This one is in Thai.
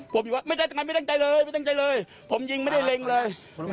ผมอยู่ว่าไม่ได้ทำไมไม่ตั้งใจเลยไม่ตั้งใจเลยผมยิงไม่ได้เล็งเลย